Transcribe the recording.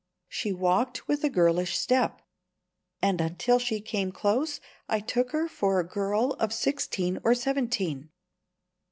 She walked with a girlish step; and until she came close I took her for a girl of sixteen or seventeen.